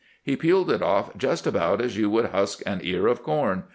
He peeled it off just about as you would husk an ear of corn.